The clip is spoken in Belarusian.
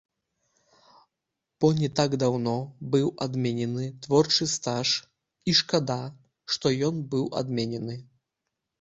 Бо не так даўно быў адменены творчы стаж, і шкада, што ён быў адменены.